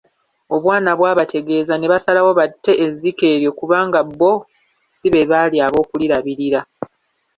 Obwana bwabategeeza ne basalawo batte ezzike eryo kubanga bo si beebaali ab’okulirabirira.